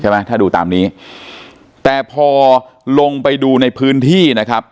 ถ้าดูตามนี้แต่พอลงไปดูในพื้นที่นะครับ